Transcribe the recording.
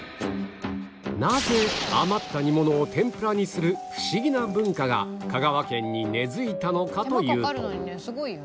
なぜ余った煮物を天ぷらにするフシギな文化が香川県に根付いたのかというと